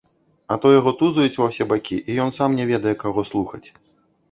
А то яго тузаюць ва ўсе бакі, і ён сам не ведае, каго слухаць.